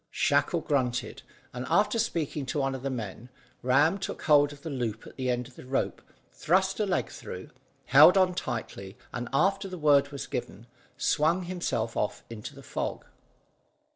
Shackle grunted; and, after speaking to one of the men, Ram took hold of the loop at the end of the rope, thrust a leg through, held on tightly, and, after the word was given, swung himself off into the fog.